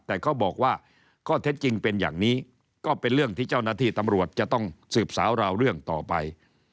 แต่เขาบอกว่าข้อเท็จจริงเป็นอย่างนี้ก็เป็นเรื่องที่เจ้าหน้าที่ตำรวจจะต้องสืบสาวราวเรื่องต่อไป